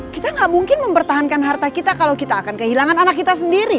kita gak mungkin mempertahankan harta kita kalau kita akan kehilangan anak kita sendiri